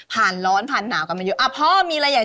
รับได้ไหมแม่พ่อสิบ๊ายบาย